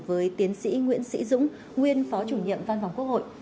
với tiến sĩ nguyễn sĩ dũng nguyên phó chủ nhiệm văn phòng quốc hội